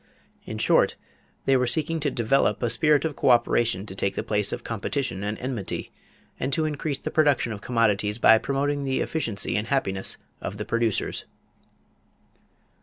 In short, they were seeking to develop a spirit of coöperation to take the place of competition and enmity; and to increase the production of commodities by promoting the efficiency and happiness of the producers.